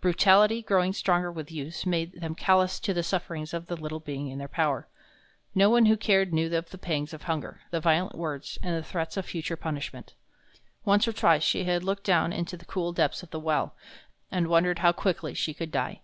Brutality, growing stronger with use, made them callous to the sufferings of the little being in their power. No one who cared knew of the pangs of hunger, the violent words, and the threats of future punishment. Once or twice she had looked down into the cool depths of the well, and wondered how quickly she could die.